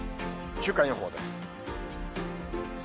週間予報です。